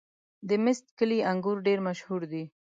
د میست کلي انګور ډېر مشهور دي.